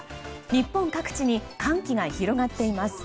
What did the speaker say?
日本各地に歓喜が広がっています。